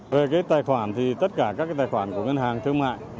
về cái tài khoản thì tất cả các cái tài khoản của ngân hàng thương mại